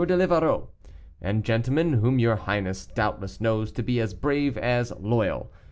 de Livarot, and gentlemen whom your highness doubtless knows to be as brave as loyal.